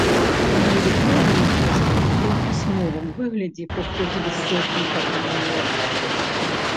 На электронную пошту і ў пісьмовым выглядзе прыходзілі сотні прапановаў.